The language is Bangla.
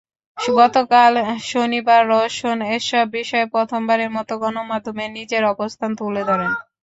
গতকাল শনিবার রওশন এসব বিষয়ে প্রথমবারের মতো গণমাধ্যমে নিজের অবস্থান তুলে ধরেন।